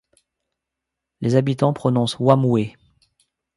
Les habitants prononcent Wamué.